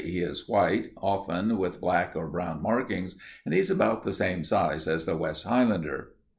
He is white, often with black or brown markings, and he's about the same size as the West Highlander.